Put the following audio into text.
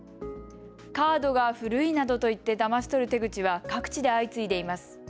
カードが古いなどと言ってだまし取る手口は各地で相次いでいます。